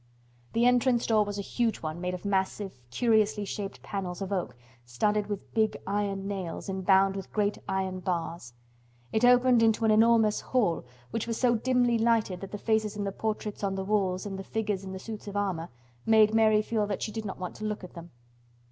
The entrance door was a huge one made of massive, curiously shaped panels of oak studded with big iron nails and bound with great iron bars. It opened into an enormous hall, which was so dimly lighted that the faces in the portraits on the walls and the figures in the suits of armor made Mary feel that she did not want to look at them.